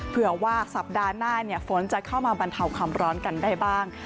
เผื่อว่าสัปดาห์หน้าฝนจะเข้ามาบรรเทาความร้อนกันได้บ้าง